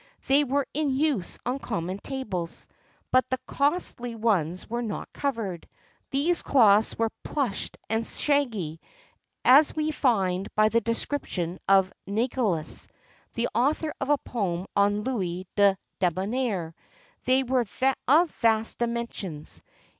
They were in use on common tables; but the costly ones were not covered. These cloths were plushed and shaggy, as we find by the description of Nigellus, the author of a poem on Louis le Débonnaire. They were of vast dimensions.